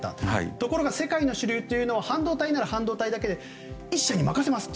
ところが世界の主流は半導体なら半導体だけで１社に任せますと。